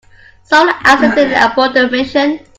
Someone accidentally aborted the mission.